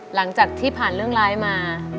หลังจากที่ผ่านเรื่องร้ายมา